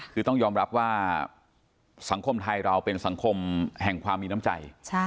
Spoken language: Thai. คือต้องยอมรับว่าสังคมไทยเราเป็นสังคมแห่งความมีน้ำใจ